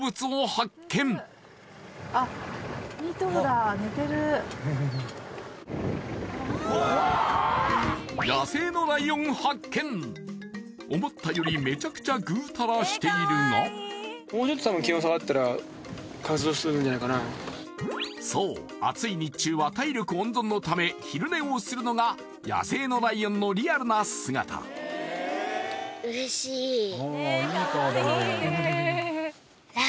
何やら野生のライオン発見思ったよりめちゃくちゃグータラしているがそう暑い日中は体力温存のため昼寝をするのが野生のライオンのリアルな姿ああいい顔だね